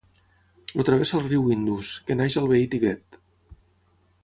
El travessa el riu Indus, que neix al veí Tibet.